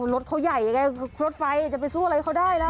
รถเขาใหญ่ไงรถไฟจะไปสู้อะไรเขาได้แล้ว